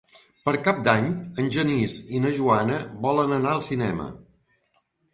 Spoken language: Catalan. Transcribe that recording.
Per Cap d'Any en Genís i na Joana volen anar al cinema.